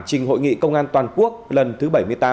trình hội nghị công an toàn quốc lần thứ bảy mươi tám